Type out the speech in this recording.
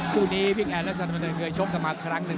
ครูนี้วิงแอดและสัตว์ประเทศเคยชกกันมาครั้งหนึ่ง